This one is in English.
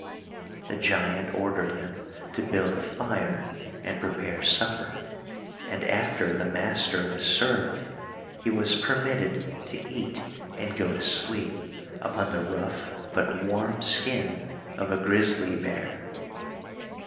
The giant ordered him to build a fire, and prepare supper, and, after the master was served, he was permitted to eat and go to sleep upon the rough but warm skin of a grizzly bear.